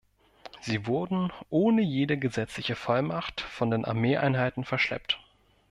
Sie wurden ohne jede gesetzliche Vollmacht von den Armeeeinheiten verschleppt.